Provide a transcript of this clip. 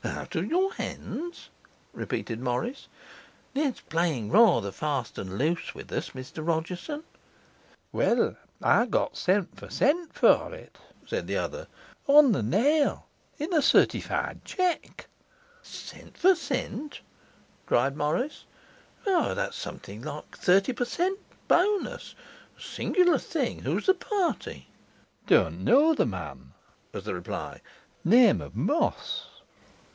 'Out of your hands?' repeated Morris. 'That's playing rather fast and loose with us, Mr Rodgerson.' 'Well, I got cent. for cent. for it,' said the other, 'on the nail, in a certified cheque.' 'Cent. for cent.!' cried Morris. 'Why, that's something like thirty per cent. bonus; a singular thing! Who's the party?' 'Don't know the man,' was the reply. 'Name of Moss.